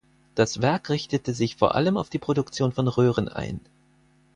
Das Werk richtete sich vor allem auf die Produktion von Röhren ein.